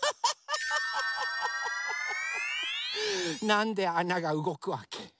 なんであながうごくわけ？